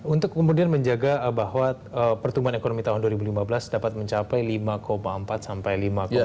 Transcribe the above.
untuk kemudian menjaga bahwa pertumbuhan ekonomi tahun dua ribu lima belas dapat mencapai lima empat sampai lima tujuh